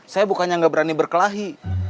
saya bukannya nggak berani berkelahi